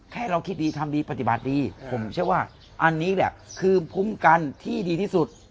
แค่เราคิดดีทำดีปฏิบัติดีผมเชื่อว่าอันนี้เนี่ยคือคุ้มกันที่ดีที่สุด